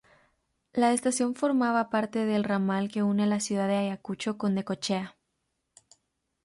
La estación formaba parte del ramal que une la ciudad de Ayacucho con Necochea.